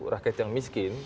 rakyat yang miskin